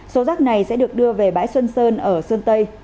số rác này sẽ được đưa về bãi xuân sơn ở sơn tây